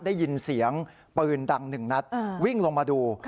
ได้ยินเสียงปืนดังหนึ่งนัดวิ่งลงมาดู